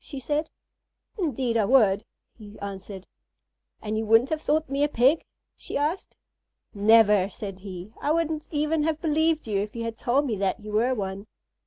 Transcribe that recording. she said. "Indeed I would," he answered. "And you wouldn't have thought me a Pig?" she asked. "Never!" said he; "I wouldn't even have believed you if you had told me that you were one."